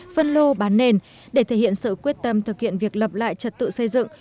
phân lô bán nền để thể hiện sự quyết tâm thực hiện việc lập lại trật tự xây dựng